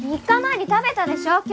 ３日前に食べたでしょ。